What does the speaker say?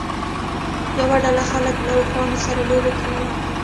یوه ډله خلکو له اوښانو سره لوبه کوله.